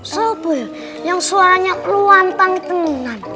sobri yang suaranya luwantan tengan